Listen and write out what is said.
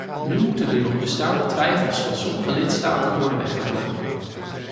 Nu moeten de nog bestaande twijfels van sommige lidstaten worden weggenomen.